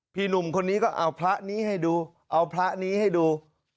หนุ่มคนนี้ก็เอาพระนี้ให้ดูเอาพระนี้ให้ดู